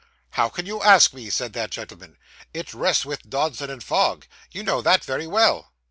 'How can you ask me?' said that gentleman. 'It rests with Dodson and Fogg; you know that very well.